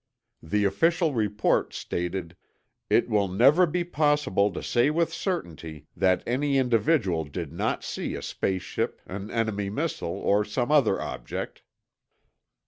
The official report stated: "It will never be possible to say with certainty that any individual did not see a space ship, an enemy missile, or some other object."